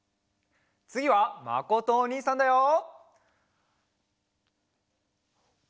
つぎはまことおにいさんだよ！